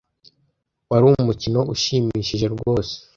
Wari umukino ushimishije rwose.